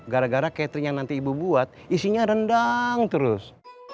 gara gara catering yang nanti ibu buat isinya rendang terus